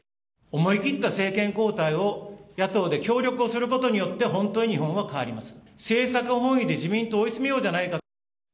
思い切った政権交代を野党で協力をすることによって、本当に日本は変わります。